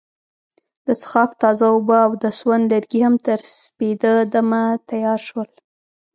د څښاک تازه اوبه او د سون لرګي هم تر سپیده دمه تیار شول.